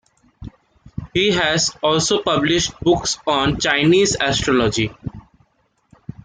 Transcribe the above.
He has also published books on Chinese astrology.